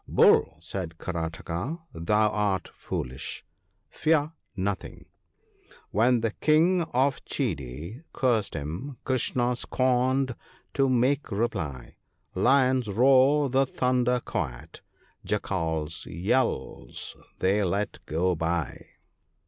1 Bull,' said Karataka, ' thou art foolish ; fear nothing,— "When the King of Chedi( M ) cursed him, Krishna, scorned to make reply ; Lions roar the thunder quiet, Jackals' yd Is they let go by.'